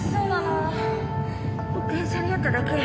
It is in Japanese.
電車に酔っただけ。